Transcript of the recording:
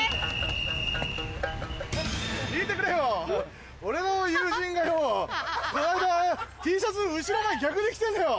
聞いてくれよ俺の友人がよこの間Ｔシャツ後ろ前逆に着てんだよ。